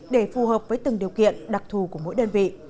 để phù hợp với từng điều kiện đặc thù của mỗi đơn vị